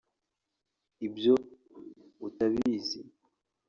Ibyo utabizi